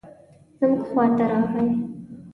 زموږ خواته راغی.